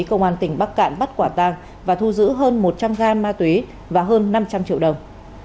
công an tỉnh bắc cạn bắt quả tang và thu giữ hơn một trăm linh gam ma túy và hơn năm trăm linh triệu đồng